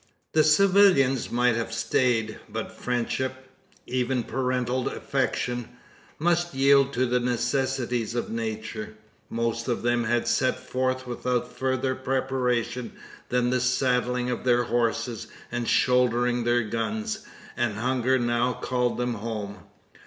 The civilians might have stayed; but friendship even parental affection must yield to the necessities of nature. Most of them had set forth without further preparation than the saddling of their horses, and shouldering their guns; and hunger now called them home.